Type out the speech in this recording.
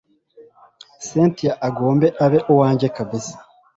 cyntia agombe abe uwanjye kabsa